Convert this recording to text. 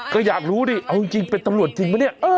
ก็อยากรู้ดิเอาจริงเป็นตำรวจจริงปะเนี่ย